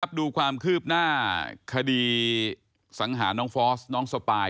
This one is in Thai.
ดูความคืบหน้าคดีสังหาน้องฟอสน้องสปาย